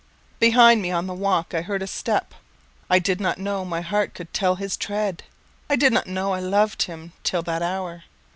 Behind me, on the walk, I heard a step I did not know my heart could tell his tread, I did not know I loved him till that hour.